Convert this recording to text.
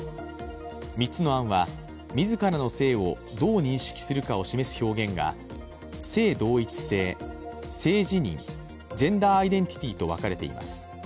３つの案は、自らの性をどう認識するかを示す表現が性同一性、性自認、ジェンダー・アイデンティティと分かれています。